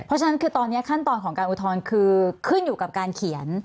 เพราะฉะนั้นคือตอนนี้ขั้นตอนของการอุทธรณ์คือขึ้นอยู่กับการเขียน